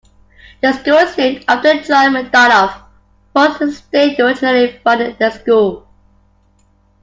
The school is named after John McDonogh, whose estate originally funded the school.